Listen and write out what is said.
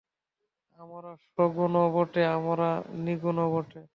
আমরা সগুণও বটে, আবার নির্গুণও বটে।